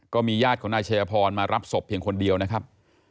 ก็มีญาติของนายชัยพรมารับศพเพียงคนเดียวนะครับ